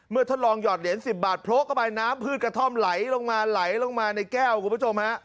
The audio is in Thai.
ทดลองหอดเหรียญ๑๐บาทโพลกเข้าไปน้ำพืชกระท่อมไหลลงมาไหลลงมาในแก้วคุณผู้ชมฮะ